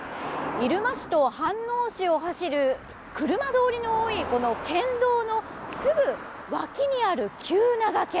入間市と飯能市を走る車通りの多い県道のすぐ脇にある急な崖。